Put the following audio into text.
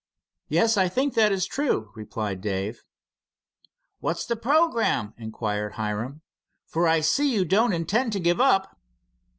"Yes, I think that is true," replied Dave. "What's the programme?" inquired Hiram, "for I see you don't intend to give up."